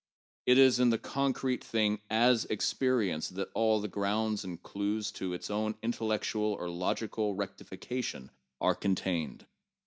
It is in the concrete thing as experienced that all the grounds and clues to its own intel lectual or logical rectification are contained.